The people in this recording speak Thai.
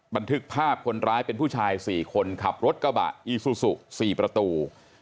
บันทึกภาพคนร้ายเป็นผู้ชาย๔คนขับรถกระบะอีซูซู๔ประตู